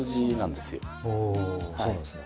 おそうなんすね。